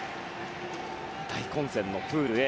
大混戦のプールＡ